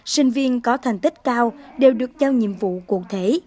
sinh viên có thành tích cao đều được giao nhiệm vụ cụ thể